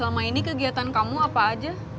selama ini kegiatan kamu apa aja